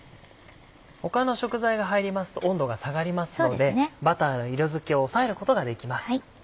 他の食材が入りますと温度が下がりますのでバターの色づきを抑えることができます。